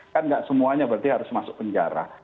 kan nggak semuanya berarti harus masuk penjara